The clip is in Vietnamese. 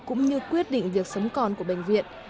cũng như quyết định việc sống còn của bệnh viện